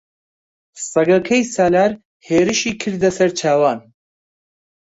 سەگەکەی سالار هێرشی کردە سەر چاوان.